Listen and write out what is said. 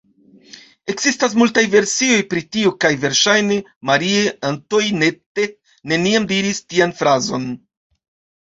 Ekzistas multaj versioj pri tio kaj verŝajne Marie-Antoinette neniam diris tian frazon.